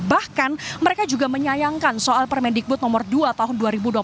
bahkan mereka juga menyayangkan soal permendikbud nomor dua tahun dua ribu dua puluh satu